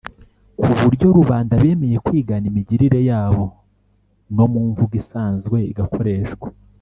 ku buryo rubanda bemeye kwigana imigirire yabo no mu mvugo isanzwe igakoreshwa,